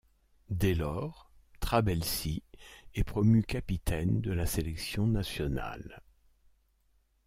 Dès lors, Trabelsi est promu capitaine de la sélection nationale.